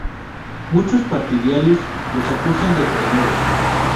Muchos partidarios los acusan de traidores.